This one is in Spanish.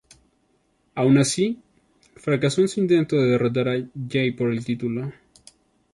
Aun así, fracaso en su intento de derrotar a Jay por el título.